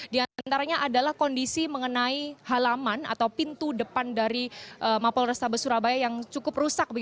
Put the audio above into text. di antaranya adalah kondisi mengenai halaman atau pintu depan dari mapol restabes surabaya yang cukup rusak